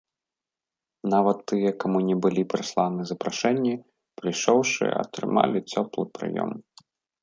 Нават тыя, каму не былі прысланы запрашэнні, прыйшоўшы, атрымалі цёплы прыём.